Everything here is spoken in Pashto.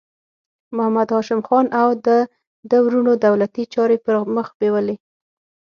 محمد هاشم خان او د ده وروڼو دولتي چارې پر مخ بیولې.